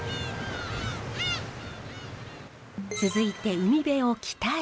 続いて海辺を北へ。